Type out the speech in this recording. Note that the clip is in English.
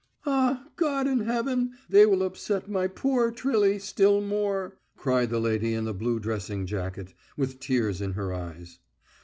"Ah, God in heaven, they will upset my poor Trilly still more!" cried the lady in the blue dressing jacket, with tears in her eyes.